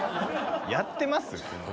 やってます！？